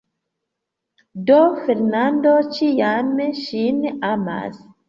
Do Fernando ĉiam ŝin amas.